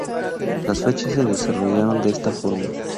Las fechas se desarrollaron de esta forma.